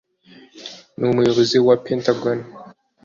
n’umuyobozi wa Pentagon